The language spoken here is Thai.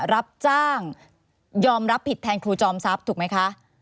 รับจ้างยอมรับผิดแทนครูจอมทรัพย์ถูกไหมคะ